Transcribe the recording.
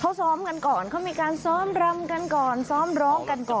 เขาซ้อมกันก่อนเขามีการซ้อมรำกันก่อนซ้อมร้องกันก่อน